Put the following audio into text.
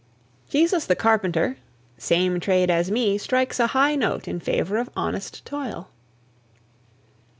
"Jesus the Carpenter" "same trade as me" strikes a high note in favour of honest toil.